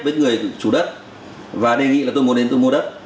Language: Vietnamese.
với người chủ đất và đề nghị là tôi muốn đến tôi mua đất